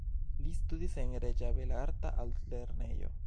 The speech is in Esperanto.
Li studis en Reĝa Belarta Altlernejo.